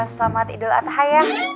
selamat idul atahaya